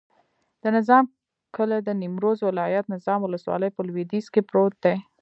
د نظام کلی د نیمروز ولایت، نظام ولسوالي په لویدیځ کې پروت دی.